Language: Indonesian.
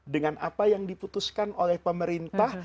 dengan apa yang diputuskan oleh pemerintah